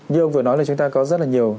như ông vừa nói là chúng ta có rất là nhiều